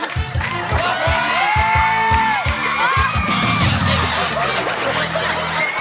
เย้